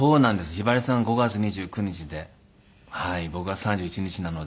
ひばりさん５月２９日で僕が３１日なので。